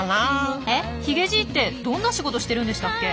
えヒゲじいってどんな仕事してるんでしたっけ？